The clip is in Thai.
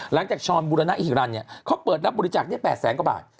หลังจากชอมบุรณะอิฮิรันต์เขาเปิดรับบริจาค๘แสนกว่าบาท